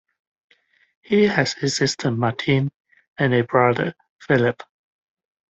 He has a sister, Martine, and a brother, Philippe.